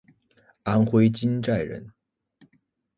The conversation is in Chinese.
安徽金寨人。